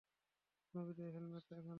নবীনের হেলমেট এখানে।